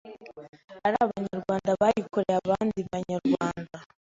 ari Abanyarwanda bayikoreye abandi banyarwanda.